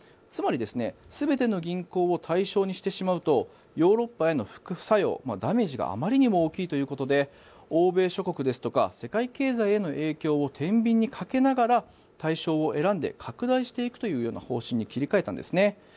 つまり、全ての銀行を対象にしてしまうとヨーロッパへの副作用ダメージがあまりにも大きいということで欧米諸国ですとか世界経済への影響をてんびんにかけながら対象を選んで拡大していくという方針に切り替えたんですね。